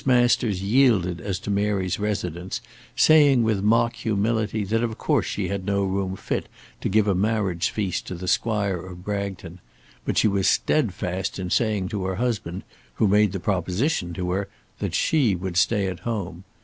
Masters yielded as to Mary's residence, saying with mock humility that of course she had no room fit to give a marriage feast to the Squire of Bragton; but she was steadfast in saying to her husband, who made the proposition to her, that she would stay at home.